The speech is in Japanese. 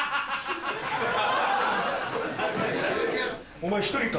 お前１人か？